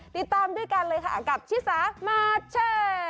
ติดตามด้วยกันเลยค่ะกับชิสามาแชร์